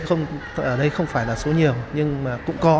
ở đây không phải là số nhiều nhưng mà cũng có